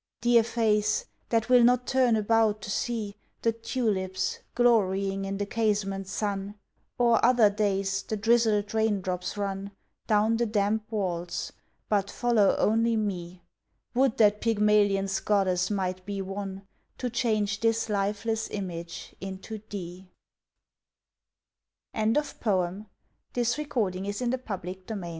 Dear face, that will not turn about to see The tulips, glorying in the casement sun, Or, other days, the drizzled raindrops run Down the damp walls, but follow only me, Would that Pygmalion's goddess might be won To change this lifeless image into thee! Jesse Covington If I have had some merry times In r